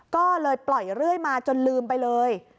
ก็เลยปล่อยเรื่อยมาจนลืมไปเลย